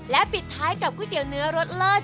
ปิดท้ายกับก๋วยเตี๋ยวเนื้อรสเลิศ